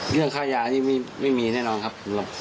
เรื่องค่ายานี่ไม่มีแน่นอนครับ